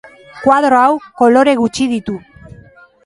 Koadro hau kolore gutxi ditu.